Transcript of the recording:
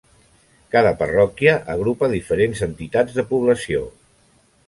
Cada parròquia agrupa diferents entitats de població.